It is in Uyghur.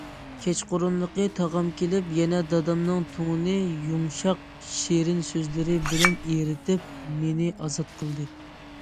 كەچقۇرۇنلۇقى تاغام كېلىپ، يەنە دادامنىڭ توڭىنى يۇمشاق، شېرىن سۆزلىرى بىلەن ئېرىتىپ، مېنى ئازاد قىلدى.